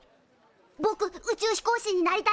ぼく宇宙飛行士になりたいんだ。